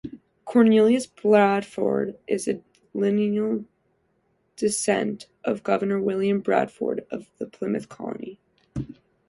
Cornelius Bradford is a lineal descendant of Governor William Bradford of the Plymouth Colony.